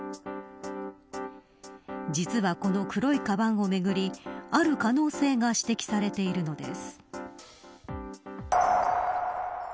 実は、この黒いカバンをめぐりある可能性が指摘されているのです。